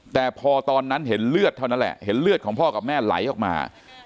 แต่พอตอนนั้นเห็นเลือดเท่านั้นแหละเห็นเลือดของพ่อกับแม่ไหลออกมา